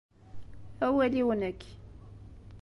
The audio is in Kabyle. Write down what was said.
Awal-iw, nekk.